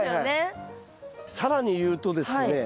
更に言うとですね